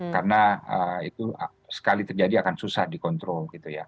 karena itu sekali terjadi akan susah dikontrol